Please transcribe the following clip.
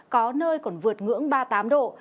có nơi còn vượt ngưỡng ba mươi tám độ